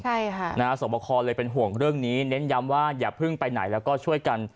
ใช่ค่ะนะฮะสวบคอเลยเป็นห่วงเรื่องนี้เน้นย้ำว่าอย่าเพิ่งไปไหนแล้วก็ช่วยกัน